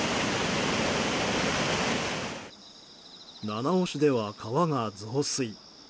七尾市では川が増水。